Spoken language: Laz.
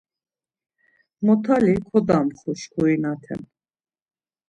Motali kodamxvu şkurinaten.